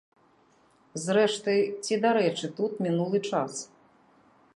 Зрэшты, ці дарэчы тут мінулы час?